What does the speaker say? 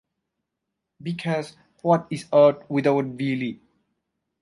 Because what is art without bile?